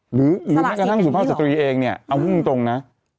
หรือแม้กระทั่งสุภาพสตรีเองเนี่ยเอาพูดตรงนะ